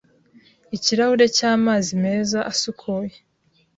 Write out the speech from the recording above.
Ikirahuri cy’amazi meza asukuye